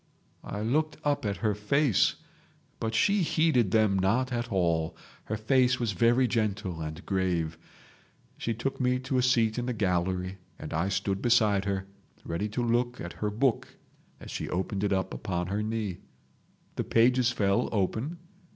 I looked up at her face, but she heeded them not at all. Her face was very gentle and grave. She took me to a seat in the gallery, and I stood beside her, ready to look at her book as she opened it upon her knee. The pages fell open.